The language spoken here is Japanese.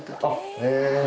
へえ。